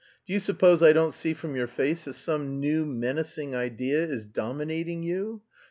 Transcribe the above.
Do you suppose I don't see from your face that some new menacing idea is dominating you?...